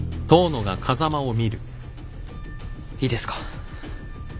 いいですか？